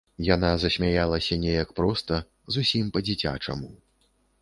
Яна засмяялася неяк проста, зусім па-дзіцячаму.